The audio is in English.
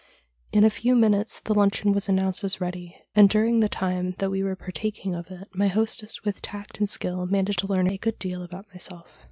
In a few minutes the luncheon was announced as ready, and during the time that we were partaking of it my hostess with tact and skill managed to learn a good deal about myself.